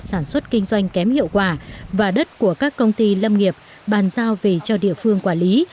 sản xuất kinh doanh kém hiệu quả và đất của các công ty lâm nghiệp bàn giao về cho địa phương quản lý